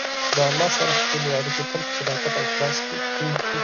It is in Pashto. د الله سره خپلې اړیکې تل په صداقت او اخلاص کې ټینګې کړئ.